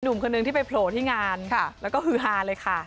คนนึงที่ไปโผล่ที่งานแล้วก็ฮือฮาเลยค่ะ